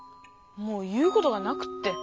もう言うことがなくって。